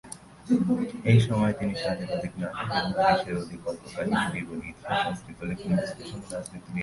এই সময়ে তিনি ষাটের অধিক নাটক এবং ত্রিশের অধিক কল্পকাহিনী, জীবনী, ইতিহাস আশ্রিত লেখনী, সাংস্কৃতিক বিশ্লেষণ ও রাজনীতি নিয়ে লিখেছেন।